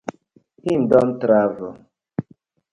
Him don travel.